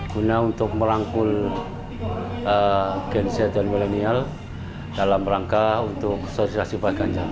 guna untuk merangkul gen z dan milenial dalam rangka untuk sosialisasi pak ganjar